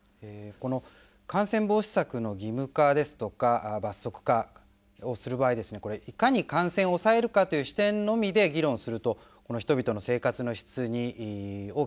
この感染防止策の義務化ですとか罰則化をする場合ですねこれいかに感染を抑えるかという視点のみで議論すると人々の生活の質に大きな影響が出る。